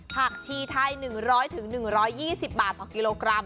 ผักชีไทย๑๐๐๑๒๐บาทต่อกิโลกรัม